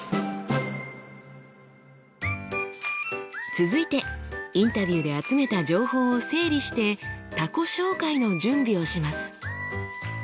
続いてインタビューで集めた情報を整理して他己紹介の準備をします。